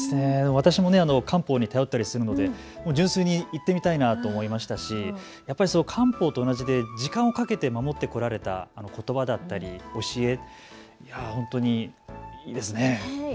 私も漢方に頼ったりするので純粋に行ってみたいなと思いましたし、漢方と同じで時間をかけて守ってこられたことばだったり教え、本当にいいですね。